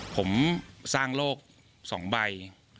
ผมสร้างโรคสองใบ